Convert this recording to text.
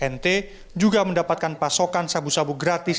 nt juga mendapatkan pasokan sabu sabu gratis